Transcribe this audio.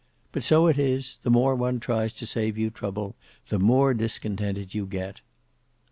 But so it is; the more one tries to save you trouble, the more discontented you get."